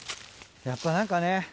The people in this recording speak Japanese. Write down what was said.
やっぱ何かね